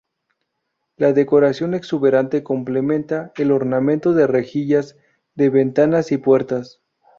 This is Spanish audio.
La decoración exuberante complementa el ornamento de rejillas de ventanas y puertas.